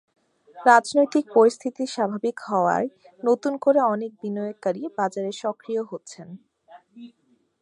রাজনৈতিক পরিস্থিতি স্বাভাবিক হওয়ায় নতুন করে অনেক বিনিয়োগকারী বাজারে সক্রিয় হচ্ছেন।